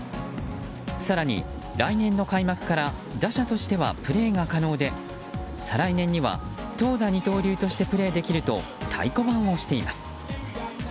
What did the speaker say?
更に、来年の開幕から打者としてはプレーが可能で再来年には投打二刀流としてプレーできると太鼓判を押しています。